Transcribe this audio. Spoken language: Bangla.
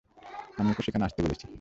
আমি ওকে এখানে আসতে বলেছি।